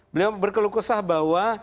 beliau berkeluh kesah bahwa